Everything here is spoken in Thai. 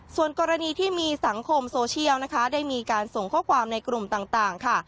ส่วนกรณีที่มีสังคมโซเชียลนะคะได้มีการส่งข้อความในกลุ่มต่างค่ะ